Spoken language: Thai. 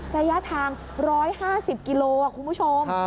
ระยะทาง๑๕๐กิโลคุณผู้ชม